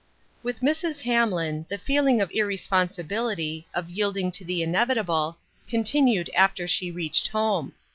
WITH Mrs. Hamlin, the feeling of irrespon sibility, of yielding to the inevitable, con tinued after she reached home.